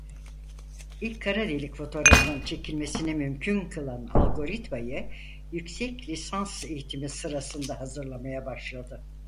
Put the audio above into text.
İlk kara delik fotoğrafının çekilmesini mümkün kılan algoritmayı yüksek lisans eğitimi sırasında hazırlamaya başladı.